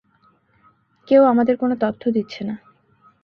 কেউ আমাদের কোনো তথ্য দিচ্ছে না।